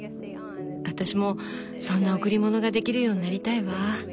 私もそんな贈り物ができるようになりたいわ。